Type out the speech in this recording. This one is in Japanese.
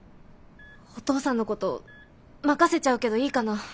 お父さんのこと任せちゃうけどいいかな？